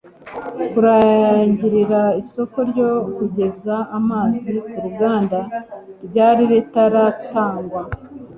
kurangirira isoko ryo kugeza amazi ku ruganda ryari ritaratangwa